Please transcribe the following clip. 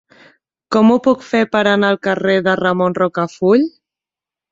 Com ho puc fer per anar al carrer de Ramon Rocafull?